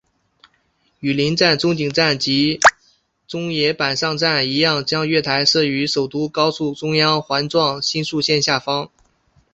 与邻站中井站及中野坂上站一样将月台设于首都高速中央环状新宿线下方。